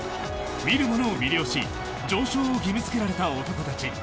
見る者を魅了し常勝を義務付けられた男たち。